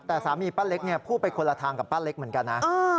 แต่สามีป้าเล็กพูดไปคนละทางกับป้าเล็กเหมือนกันนะ